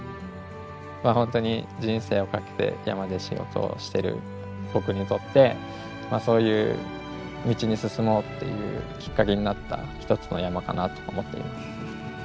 まあ本当に人生をかけて山で仕事をしてる僕にとってそういう道に進もうっていうきっかけになった一つの山かなと思っています。